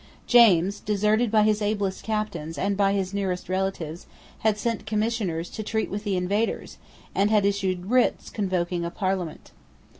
James, deserted by his ablest captains and by his nearest relatives, had sent commissioners to treat with the invaders, and had issued writs convoking a Parliament.